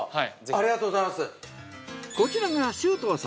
ありがとうございます。